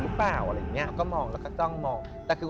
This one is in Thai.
ลอยออกมาเลย